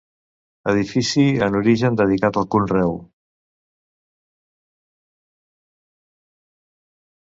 Edifici en origen dedicat al conreu.